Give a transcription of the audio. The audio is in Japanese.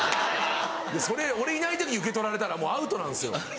それ俺いない時受け取られたらもうアウトなんですよ。